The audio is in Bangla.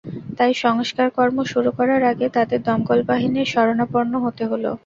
তাই সংস্কারকর্ম শুরু করার আগে তাঁদের দমকল বাহিনীর শরণাপন্ন হতে হলো।